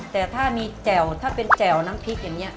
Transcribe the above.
แต่ถ้ามีแจ่วถ้าเป็นแจ่วน้ำพริกอย่างนี้